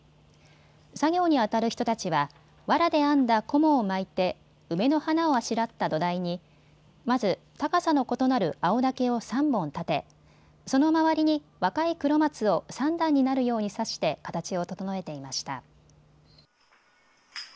作業にあたる人たちはわらで編んだこもを巻いて梅の花をあしらった土台にまず高さの異なる青竹を３本立てその周りに若いクロマツを３段になるように刺して形を整えていました。